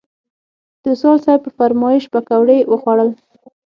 د وصال صیب په فرمایش پکوړې وخوړل.